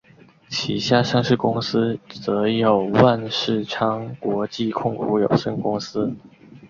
旗下上市公司则有万事昌国际控股有限公司。